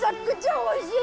おいしい？